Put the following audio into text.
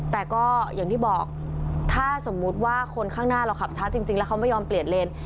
แต่ก็อย่างที่บอกถ้าสมมุติว่าคนข้างหน้าเราขับช้าจริงแล้วเขาไม่ยอมเปลี่ยนเลน